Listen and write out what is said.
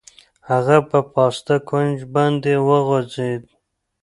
هغه په پاسته کوچ باندې وغځېد.